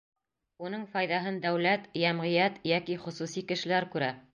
Уның файҙаһын дәүләт, йәмғиәт йәки хосуси кешеләр күрә.